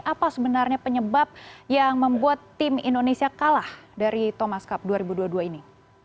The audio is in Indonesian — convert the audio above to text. apa sebenarnya penyebab yang membuat tim indonesia kalah dari thomas cup dua ribu dua puluh dua ini